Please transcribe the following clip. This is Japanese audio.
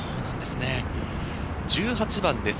１８番です。